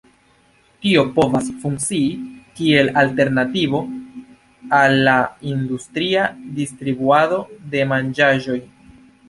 Tio povas funkcii kiel alternativo al la industria distribuado de manĝaĵoj.